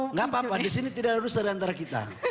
nggak apa apa di sini tidak ada rusak diantara kita